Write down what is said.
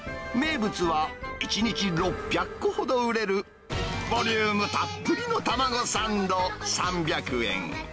名物は、１日６００個ほど売れる、ボリュームたっぷりの卵サンド３００円。